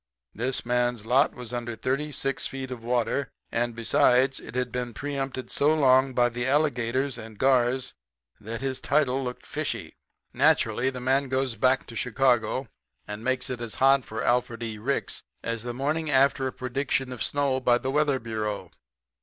This man's lot was under thirty six feet of water, and, besides, had been preempted so long by the alligators and gars that his title looked fishy. "Naturally, the man goes back to Chicago and makes it as hot for Alfred E. Ricks as the morning after a prediction of snow by the weather bureau.